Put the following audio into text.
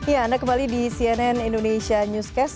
ya anda kembali di cnn indonesia newscast